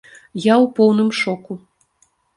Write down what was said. Я ў поўным шоку.